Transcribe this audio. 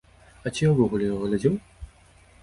А ці я ўвогуле яго глядзеў?